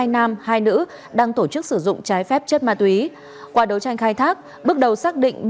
hai nam hai nữ đang tổ chức sử dụng trái phép chất ma túy qua đấu tranh khai thác bước đầu xác định